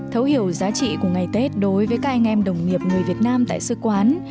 thấu hiểu giá trị của ngày tết đối với các anh em đồng nghiệp người việt nam tại sư quán